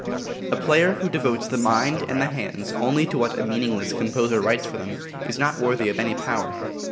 A player who devotes the mind and the hands only to what a meaningless composer writes for them is not worthy of any power.